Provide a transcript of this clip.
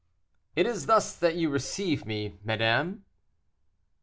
"Is it thus that you receive me, madame?"